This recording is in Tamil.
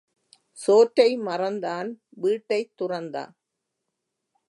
சோற்றை மறந்தான் வீட்டைத் துறந்தான்.